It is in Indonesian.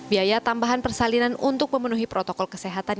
biaya tambahan persalinan untuk memenuhi protokol kesehatan